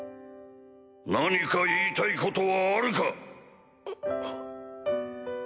何か言いたいことはあるか！